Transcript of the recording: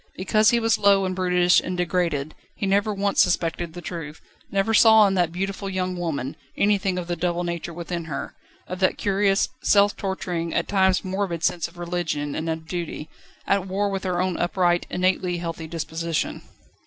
Because he was low and brutish and degraded, he never once suspected the truth, never saw in that beautiful young woman, anything of the double nature within her, of that curious, self torturing, at times morbid sense of religion and of duty, at war with her own upright, innately healthy disposition.